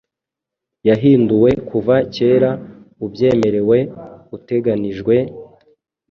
yahinduwe kuva kera ubyemerewe uteganijwe